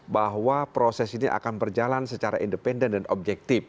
bahwa proses ini akan berjalan secara independen dan objektif